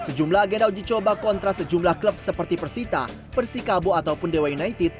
sejumlah agenda uji coba kontra sejumlah klub seperti persita persikabo ataupun dewa united